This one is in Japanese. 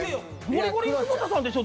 ゴリゴリ久保田さんでしょ